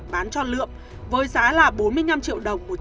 bán cho lượm với giá là bốn mươi năm triệu đồng